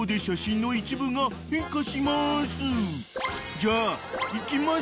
［じゃあいきまっせ］